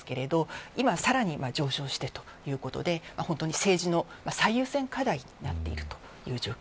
今はさらに上昇してということで政治の最優先課題になっています。